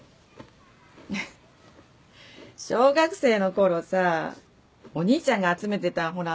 フフ小学生の頃さぁお兄ちゃんが集めてたほら